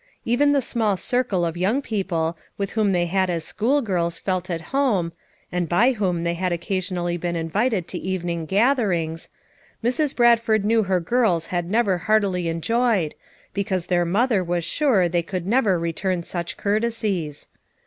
Even the small circle of young peo ple with whom they had as school girls felt at home, — and by whom they had occasionally been invited to evening gatherings, — Mrs. Bradford knew her girls had never heartily en joyed, because their mother was sure they could never return such courtesies.